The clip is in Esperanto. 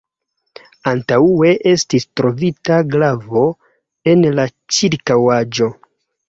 Antaŭe estis trovita glavo en la ĉirkaŭaĵo.